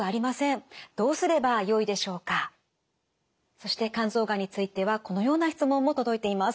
そして肝臓がんについてはこのような質問も届いています。